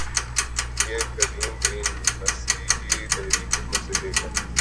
یہ قدیم ترین مسیحی تحریکوں میں سے ایک ہے